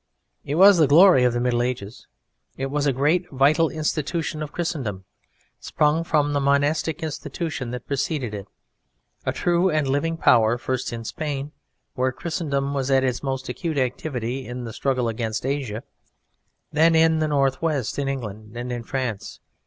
It was the glory of the Middle Ages, it was a great vital institution of Christendom, sprung from the monastic institution that preceded it, a true and living power first in Spain, where Christendom was at its most acute activity in the struggle against Asia, then in the north west, in England and in France.